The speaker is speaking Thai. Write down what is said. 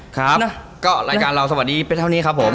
ครับก็รายการเราสวัสดีเป็นเท่านี้ครับผม